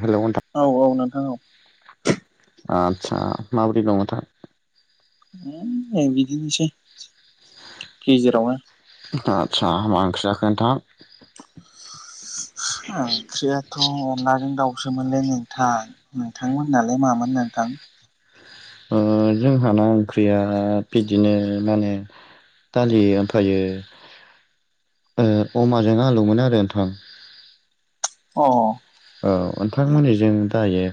Hello नोंथां औ औ नोंथां औ आतसा माबोरै दङ नोंथां ओइ बिदिनोसै गेजेरावनो आतसा मा ओंख्रि जाखो नोंथां? ओंख्रियाथ' अनलाजों दाउसोमोनलै नोंथां नोंथां मोनालाय मामोन नोंथां? ओ जोंहाना ओंख्रिया बिदिनो माने दालि ओमफ्रायो ओ अमाजों आलुमोन आरो नोंथां। अ ओनथां मोननिजों दायो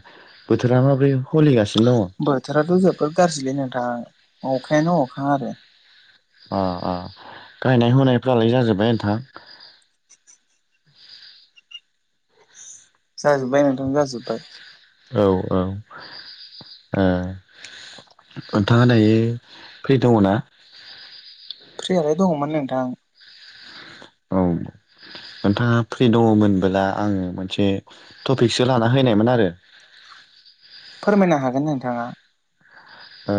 बोथोरा माब्रै हरै बोथोराथ' जोबोद गाज्रिलै नोंथां अखायानो अखा आरो अ अ गायनाय फुयफ्रालाय जाजोब्बाय नोंथां? जाजोबबाय नोंथां जाजोब्बाय। औ औ। नोंथाङा दायो फ्रि दङ ना? फ्रियालाय दङमोन नोंथां। औ नोंथाङा फ्रि दङमोनबोला आङो मोनसे टपिकसो लाना फायनायमोन आरो फोरमायनो हागोन नोंथाङा। ओ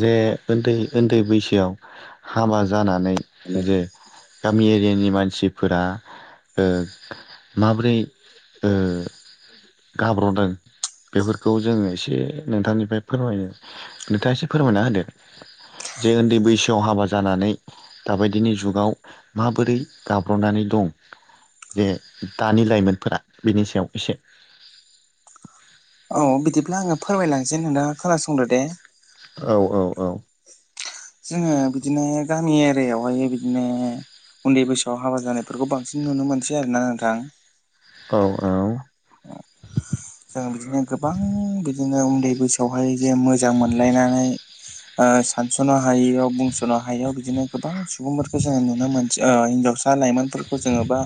जे ओन्दै ओन्दै बैसोआव हाबा जानानै जे गामि एरियानि मानसिफोरा ओ माबोरै ओ गाब्र'दों बेफोरखौ जोङो एसे नोंथांनिफ्राय फोरमाय नोंथाङा एसे फोरमायना होद जे उन्दै बैसोआव हाबा जानानै दाबादिनि जुगाव माबोरै गाब्र'नानै दं जे दानि लाइमोनफोरा बेनि सायाव एसे औ बिदिब्ला आङो फोरमायलांनोसै नोंथा खोनासं औ औ औ। जोङो बिदिनो गामि एरियायावहाय बिदिनो उन्दै बैसोआव हाबा जानायफोरखौ बांसिन नुनो मोनसै आरोना नोंथां? औ औ। जों बिदिनो गोबां बिदिनो उन्दै बैसोआवहाय जे मोजां मोनलायनानै सानस'नो हायियाव बुंस'नो हायियाव बिदिनो गोबां सुबुंफोरखौ जोङो नुनो मोनसै ओ हिनजाव सा लाइमोनफोरखौ जोङो बा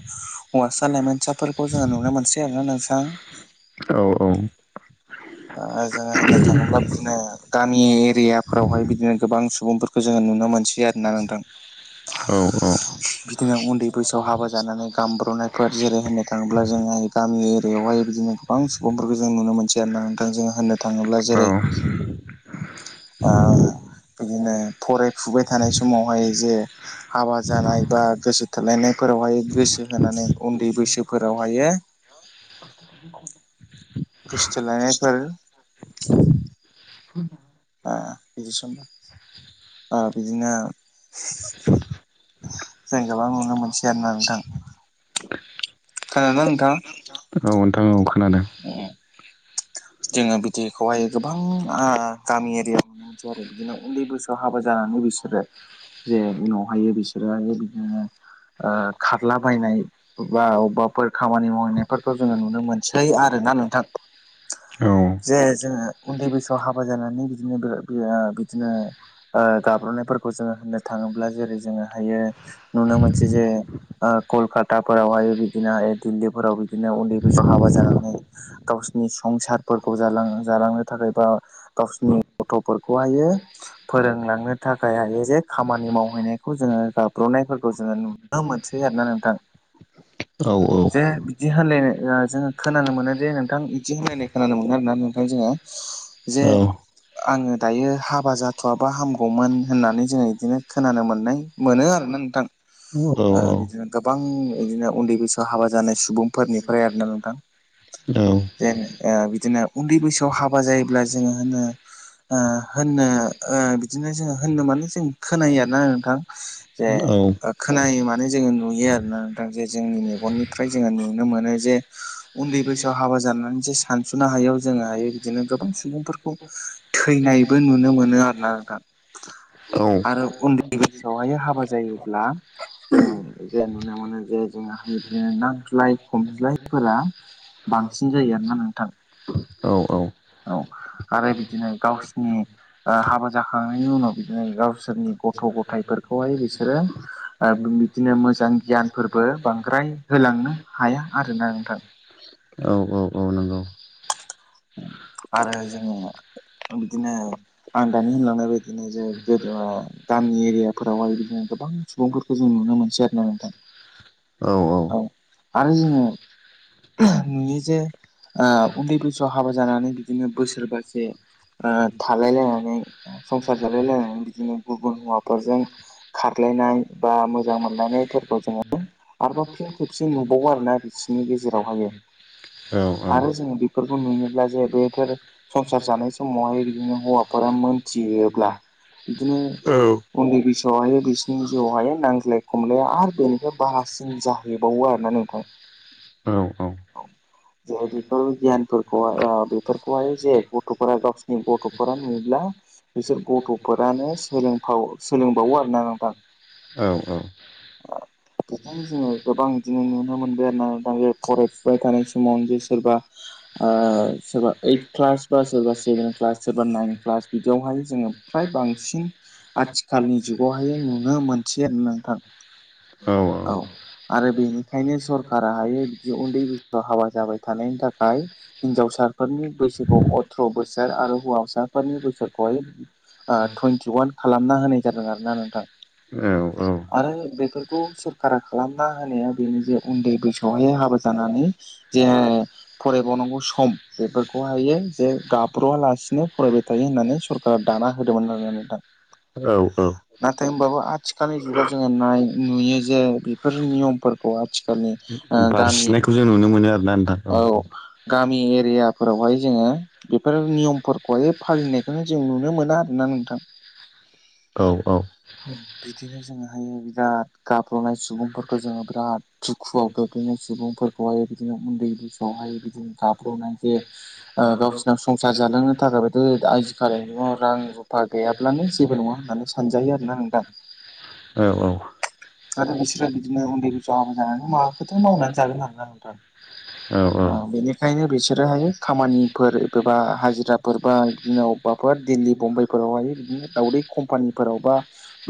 हौवासा लाइमोनसाफोरखौ जोङो नुनो मोनसै आरो ना नों थां। औ औ। ओ जोङो होननो थाङोब्ला बिदिनो गामि एरियाफोरावहाय बिदिनो गोबां सुबुंफोर खौ जोङो नुनो मोनसै आरोना नोंथां। औ बिदिनो उन्दै बैसोआव हाबा जानानै गामब्र'नायफोर जेरै होननो थाङोब्ला जोंहा गामि एरियायाव हाय बिदिनो गोबां सुबुंफोरखौ जों नुनो मोनसै आरो ना। होननो थाङोब्ला औ जेरै ओ बिदिनो फरायफुबाय थानाय समावहाय जे हाबा जानाय बा गोसो थोलायनाय फोरावहाय गोसो होनानै उन्दै बैसोफोरावहायो गोसथो लायानायफोर [unintelligible] [unintelligible] बिदिनो जों गोबां नुनो मोनसै आरो नथां। खोनादों नोंथां? औ नोंथां औ खोनाददों। ए। जोङो बिदिखौहाय गोबां गामि एरियाायाव मोननो मोनसै आरो बिदिनो उन्दै बैसोआव हाबा जा बोसोरो जे उनावहायो बिसोरो बिदिनो खारलाबायायनाय बा अबेबाफोर खामानि मावहैनायफोरखौ जोङो नुनो मोनसै आरो ना नोंथां औ जे जोङो उन्दै बैसोआव हाबा जानानै बिदिनोबो बो ओ बिदिनो गाब्ल'नाय फोरखौ जोङो होननो थाङोब्ला जेरै जोङो हायो नुनो मोनसै जे ओ कलकाताफोराव बायो बिदिनो दिल्लीफोराव बिदिनो उन्दै बैसआव हाबा जानानै गावसिरनि संसारफोरखौ जालांनो जालांनो थाखाय बा गावसिनि गथफोरखौहायो फोरों लांनो थाखाय हायो जे खामानि मावहैनायखौ जोङो गाब्र'नायफोरखौ जोङो नुनो मोनसै आरोना नोंथां । औ नंगौ औ जे बिदि होनलायनो ओ जोङो खोनानो मोनो जे नोंथां बिदि होनलायनाय खोनानो मोनो आरोना नोंथां जोङो जे आंङो दायो हाबा जाथ'आबा हामगौमोन होननानै जोङो बिदिनो खोनानो मोननाय मोनो आरोना नोंथां औ औ । ओ बिदिनो गोबां बिदिनो उन्दै बैसोआव हाबा जानाय सुबुंफोरनिफ्राय आरोना नोंथां । जेन ओ‌ बिदिनो उन्दै बैसोआव हाबा जायोब्ला जोङो होनो ओ होननोओ बिदिनो जोङो होननो माने जों खोनायो आरोना नोंथां जे ओ खोनायो मानो जोङो नुयो आरो ना नोंथां जे जोंनि मेगननिफ्राय जोङो नुनो मोनो जे उन्दै बैसोआव हाबा जाना मोनसे सानसनो हायैआव जोङोहाय बिदिनो गोबां सुबुंफोरखौ थैनायबो नुनो मोनो आरोना नोंथां । औ आरो उन्दै बैसोआवहाय हाबा जायोब्ला जे नुनो मोनो जे जोंहा‌ बिदिनो नांज्लाय खमज्लायफोरा बांसिन औ [unintelligible] नोंथां औ आरो बिदिनो गावसिनि ओ हाबा जाखांनायनि उनाव बिदिनो गावसोरनि गथ गथायफोरखौहाय बिसोरो ओ बिदिनो मोजां गियानफोरबो बांद्राय होलांनो हाया आरोना नोंथां । औ औ । आरो जोङो बिदिनो आं दानि होनलांनाय बायदिनो जे गोदो ओ गामि एरियाफोरावहाय बिदिनो गोबां सुबुंफोरखौ जों नुनो मोनसै आरो ना नोंथां । औ आरो‌ जोङो नुयो जे ओ उन्दै बैसोआव हाबा जानानै बिदिनो बोसोरबा से ओ थालायलायनानै संसार जालायलायनानै बिदिनो गुबुन हौवाफोरजों खारलायनाय बा मोजां मोनलायनायफोरखौ जोङो आरोबाव फिन खेबसे नुबावो आरो ना बिसिनि गेजे जेरावहायो । औ औ । जे बेफोर संसार जानाय समावहाय बिदिनो हौवाफोरा मोनथियोब्ला ब्ला बिदिनो औ । उन्दै बैसोआवहाय बिसिरनि जिउआवहाय नांंज्लाय खमलाया आरो बेनिफाय बारासिन जाहैबावो आरो । ना नोंथां औ औ । जे बेफोर गियानफोरखौहाय ओ बेफोरखौहाय‌ जे गथफोरा गावसिनि गथफोरा नुयो ब्ला बिसोर गथफोरानो सोलोंफाव सोलोंबावो आरोना नोंथां । औ औ । बेखौ जोङो गोबां बिदिनो नुनो मोनबाय आरोना दायो फरायफुबाय थानाय समाव जे सोरबा ओ सोरबा ओइथ क्लास बा सोरबा सेबेन क्लास सोरबा नाइन क्लास बिदियावहाय जोङो फ्राय बांसिन आथिखालनि जुगावहाय नुनो मोनसै आरो ना थां औ आरो बेनिखायनो सरखारा हायो जि उन्दै बैसोआव हाबा जाबाय थानायनि थाखाय हिनजावसाफोरनि बैसोखौ अथ्र‌ बोसोर आरो हौवासाफोरनि बैसोखौहाय आरोना नोंथां [unintelligible] आरो बेफोरखौ सोरखारा खालामना होनाया बेनो जे उन्दै बैसोआवहाय हाबा जानानै जे फरायबावनांगौ सम बेफोरखौहायो जे गाब्रवालासे बिसिनो फरायबाय थायो होननानै सरकारा दाना होदोंमोन आरोना नोंथां । औ औ । नाथाय होनबाबो आथिखालनि जुगाव जोङो नाय नुयो जे बेफोर नियमफोरखौ आथिखालनि ओ गामि बारसिनायखौ जों नुनो मोनो आरोना नोंथां औ औ । गामि एरियाफोरावहाय जोङो बेफोर नियमफोरखौहाय फालिनायखौनो जों नुनो मोना ना नोंथां औ औ बिदिनो जोङोहायो बिराद गाब्ल'नाय सुबुंफोरखौ जोङो बिराद दुखुआव गोग्लोयो सुबुंफोर ह बिदिनो उन्दै बैसोआवहाय बिदिनो गाब्र'नानै जे गावसोरनाव संसार जालांनो थाखाय जिबायदि आजिखालि जुगाव रां रुफा गैयाब्लानो जेबो नङा होननानै सानजायो आरोना नोंथां औ आरो बिसोरो बिदिनो उन्दै बैसोआव हाबा जानानै माबाखौथ' मावनानै जागोन ना औ [unintelligible] बेनिखायनो बिसोरोहाय खामानिफोर एबा हाजिराफोर बा दिनाव माबाफोर दिल्ली बम्बाइफोरावहाय बिदिनो दावदै कम्पानिफोरावबा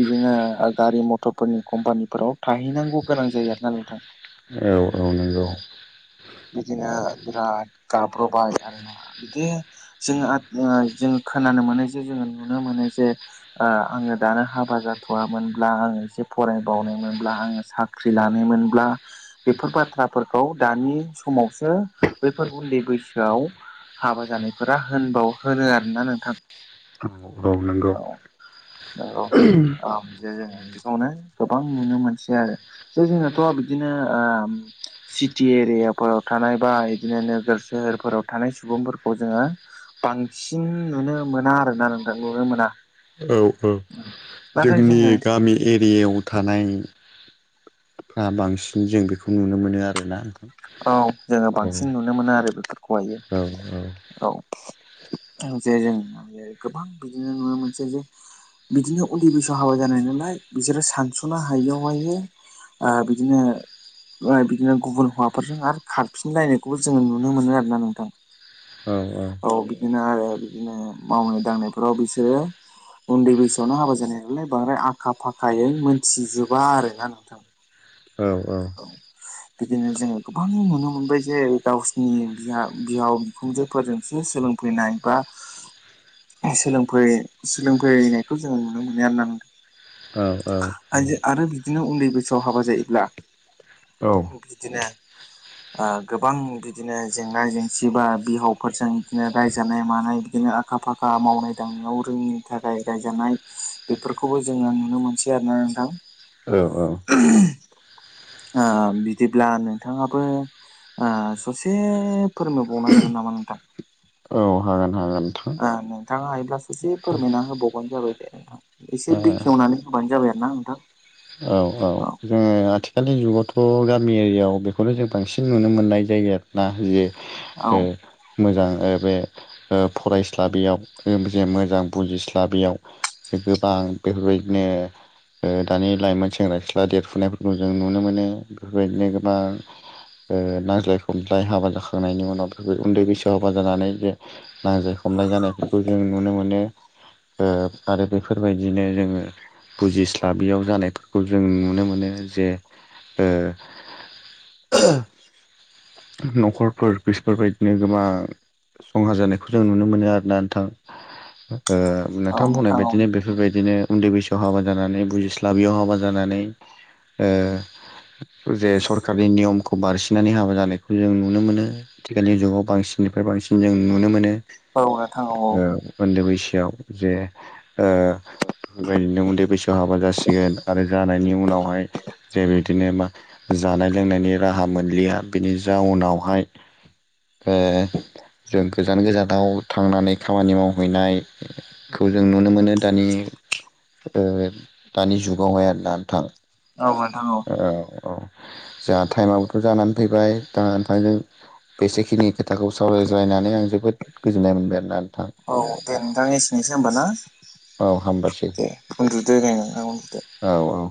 बिदिनो गारि मथर फोरनि कम्पानिफोराव थाहैनांगौ गोनां जायो आरोना नोंथां औ औ नंगौ बिदिनो बिराद गाब्र'बाय आरो ना बिदि जोङो जों खोनानो मोनो जे जोङो नुनो मोनो जे आङो दानो हाबा जाथ'वोनब्ला आङो एसे फरायबावनायमोनब्ला आङो साख्रि लानायमोनब्ला बेफोर बाथ्रा फोरखौ दानि समावसो बेफोर उन्दै बैसोआव हाबा जानायफोरा होनबाव होनो आरोना नोंथां औ नंगौ औ औ औ जे जों बेखौनो गोबां नुनो मोनसै आरो जे जोंनाथ' बिदिनो ओ सिटि एरियाफोराव थानाय बा बिदिनो नोगोर सोहोरफोराव थानाय सुबुंफोरखौ जोङो बांसिन नुनो मोना आरोना नोंथां नुनो मोना औ औ नाथाय जोंनि जोङो गामि एरियायाव थानाय बांसिन जों बेखौ नुनो मोनो आरोना औ जोङो बांसिन नुनो मोनो औ आरो बेफोरखौहायो औ औ औ औ जे जों गोबां बिदिनो नुनो मोनसै जे बिदिनो उन्दै बैसोआव हाबा जानाय नालाय बिसोरो सानस'नो हायियावहाय बिदिनो बिदिनो गुबुन हौवा फोरजों आरो खारफिनलायनायखौबो जोङो नुनो मोनो आरोना नोंथां औ बिदिनो आरो बिदिनो मावनाय दांनायफोराव बिसोरो उन्दै बैसोआवनो हाबा जानाय नालाय बांद्राय आखा फाखायै मोनथिजोबा आरोना नोंथां औ बिदिनो जोङो गोबां नुनो मोनबाय जे गावसोरनि बिहाव सोलों सोलोंफैनायखौ जोङो नुनो मोनो होनदों आइजो आरो बिदिनो उन्दै बैसोआव हाबा जायोब्ला बिदिनो गोबां बिदिनो जेंना जेंसि बा बिहावफोरजों बिदिनो रायजानाय मानाय बिदिनो आखा फाखा मावनाय दांनायाव रोङिनि थाखाय रायजानाय बेफोरखौबो जोङो नुनो मोनसै आरोना नोंथां औ औ आ बिदिब्लानो नोंथाङाबो ससे फोरोंनो बावनो हागोन नामा नोंथां औ हागोन हागोन नोंथां नोंथाङा हायोब्लाससे फोरमायना होबावबानो जाबाय दे नोंथां ओ एसे बेखेवनानै होबानो जाबाय जाबाय आरो ना नोंथां औ औ जोङो आथिखालनि जुगावथ' गामि एरियायाव बेखौनो जों बांसिन नुनो मोननाय जायगा आरोना औ जे मोजां बे फरायस्ला बियाव जे मोजां बुजिस्ला बियाव [unintelligible] गोबां बेफोरबायदिनो ओ दानि लाइमोन सेंग्रा सिख्ला देरफुनायफ जों नुनो मोनो बेफोरबायदिनो गोबां ओ नांज्लाय खमज्लाय हाबा जाखांनायनि उनाव [unintelligible] उन्दै बैसोआव हाबा जानानै जे नांजाय खमनाय जानायफोरखौ जों नुनो मोनो ओ आरो बेफोरबायदिनो जोङो बुजिस्लाबियाव जानायफोरखौ जों नुनो मोनो ज जे ओ [unintelligible] न'खरफोर बिसफोरबायदिनो गोबां संहा जानायखौ जों नुनो मोनो आरोना नोंथां [unintelligible] ओ औ नोंथां बुंनाय औ बायदिनो बेफोरबायदिनो उन्दै बैसो याव हाबा जानानै बुजिस्लाबैयाव हाबा जानानै ओ जे सरखारनि नियमखौ बारसिननानै हाबा जानायखौ जों नुनो मोनो आथिखालनि जुगाव बांसिननि [unintelligible] आरो बांसिन जों नुनो मोनो। औ नोंथां औ ओ ओ उन्दै बैसोआव जे ओ बेफोरबायदिनो उन्दै बैसोआव हाबा जासिगोन आरो जानायनि उनावहाय जे बिदिनो मा जानाय लोंनायनि राहा मोनलिया बिनि जाउनावहाय ओ जों गोजान गोजानथाव थांनानै खामानि मावहैनायखो जों नुनो मोनो दानि ओ दानि जुगावहाय आरो [unintelligible] थां औ ओ औ जोहा थाइमाबोथ' जानानै फैबाय दा नोंथांजों बेसेखिनि खोथाखौ सावरायज्लायनानै आं जोबोद गोजोननाय मोनबाय आरोना थां औ दे नोंथां एसेनोसै होमबा ना [unintelligible] औ हामबाय दे उन्दुदो दे नोंथां उन्दुदो औ औ